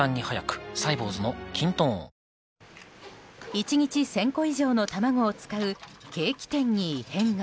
１日１０００個以上の卵を使うケーキ店に異変が。